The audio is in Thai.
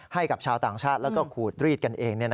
ให้กับชาวต่างชาติแล้วก็ขูดรีดกันเอง